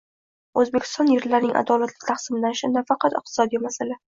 O‘zbekiston yerlarining adolatli taqsimlanishi nafaqat iqtisodiy masala